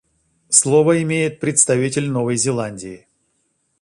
Слово имеет представитель Новой Зеландии.